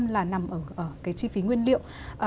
là nằm ở cái chi phí nguyên liệu